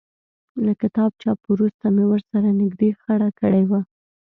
له کتاب چاپ وروسته مې ورسره نږدې خړه کړې وه.